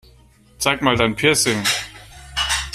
Zeig mal dein Piercing!